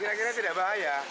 kira kira tidak bahaya